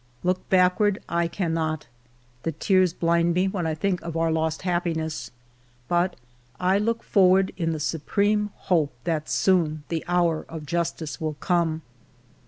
".Look backward I cannot. The tears blind ALFRED DREYFUS 85 me when I think of our lost happiness. But I look forward in the supreme hope that soon the hour of justice will come."